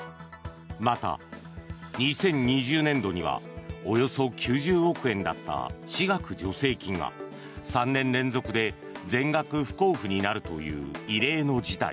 また２０２０年度にはおよそ９０億円だった私学助成金が３年連続で全額不交付になるという異例の事態。